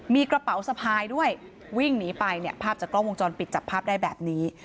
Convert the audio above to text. มีกระเป๋าสะพายด้วยวิ่งหนีไปเนี่ยภาพจากกล้องวงจรปิดจับภาพได้แบบนี้